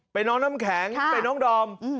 ไปน้องน้ำแข็งไปน้องดอม